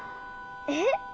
えっ？